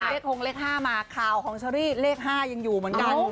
คงเลข๕มาข่าวของเชอรี่เลข๕ยังอยู่เหมือนกัน